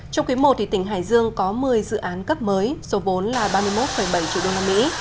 trong quý i tỉnh hải dương có một mươi dự án cấp mới số vốn là ba mươi một bảy triệu đô la mỹ